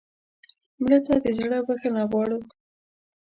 مړه ته د زړه بښنه غواړو